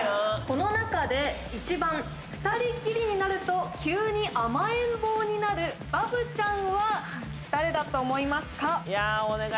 この中で１番２人っきりになると急に甘えん坊になるバブちゃんは誰だと思いますか？